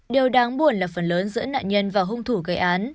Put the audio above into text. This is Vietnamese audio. điều đáng buồn là phần lớn giữa nạn nhân và hung thủ gây án